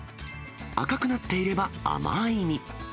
赤くなっていれば甘い実。